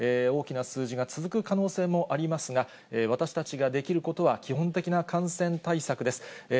大きな数字が続く可能性もありますが、私たちができることは基本的な感染対策です。